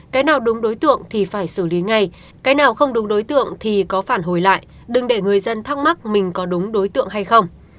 cái nào đúng đối tượng thì phải xử lý ngay cái nào không đúng đối tượng thì có phản hồi lại đừng để người dân thắc mắc mình có đúng đối tượng hay không